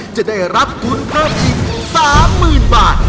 จะได้รับทุนเพิ่มอีก๓๐๐๐บาท